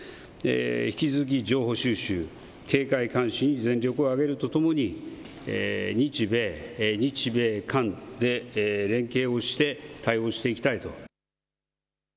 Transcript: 引き続き情報収集、警戒監視に全力を挙げるとともに日米、日米韓で連携をして対応していきたいと。